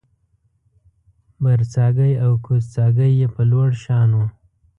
برڅاګی او کوزڅاګی یې په لوړ شان و